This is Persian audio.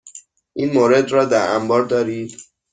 این مورد را در انبار دارید؟